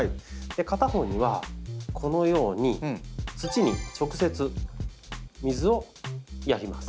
片方にはこのように土に直接水をやります。